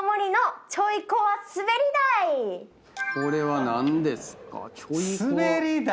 これは何ですか？